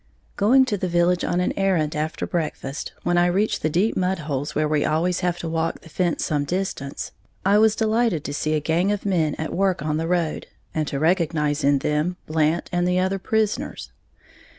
_ Going to the village on an errand after breakfast, when I reached the deep mudholes where we always have to walk the fence some distance, I was delighted to see a gang of men at work on the road, and to recognize in them Blant and the other prisoners.